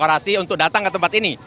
orasi untuk datang ke tempat ini